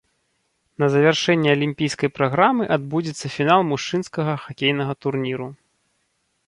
На завяршэнне алімпійскай праграмы адбудзецца фінал мужчынскага хакейнага турніру.